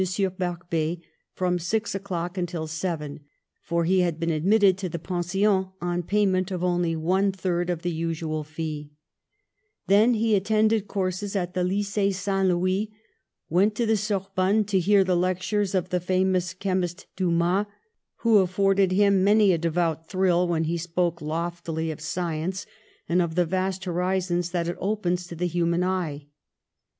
Barbet from six o'clock until seven, for he had been admitted to the Pension on payment of only one third of the usual fee ; then he attended courses at the Lycee Saint Louis, went to the Sorbonne to hear the lec tures of the famous chemist Dumas, who af forded himx many a devout thrill when he spoke loftily of science and of the vast horizons that it opens to the human eye.